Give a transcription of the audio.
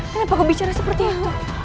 kenapa kau bicara seperti apa